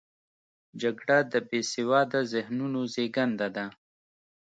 جګړه د بې سواده ذهنونو زیږنده ده